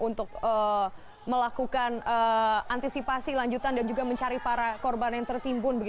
untuk melakukan antisipasi lanjutan dan juga mencari para korban yang tertimbun